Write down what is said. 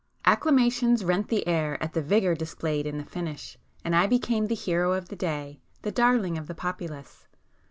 Acclamations rent the air at the vigour displayed in the 'finish'—and I became the hero of the day,—the darling of the populace.